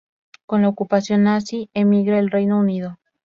Con la ocupación nazi emigra al Reino Unido.